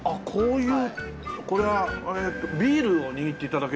これはえっとビールを握って頂けるかな？